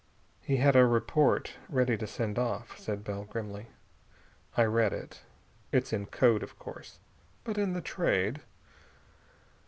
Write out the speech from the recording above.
"He had a report ready to send off," said Bell grimly. "I read it. It's in code, of course, but in the Trade...."